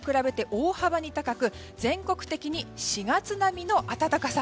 大幅に高く全国的に４月並みの暖かさ。